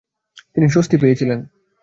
তিনি স্বস্তি পেয়েছিলেন।